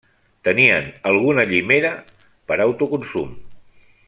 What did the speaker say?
Tenien alguna llimera per a autoconsum.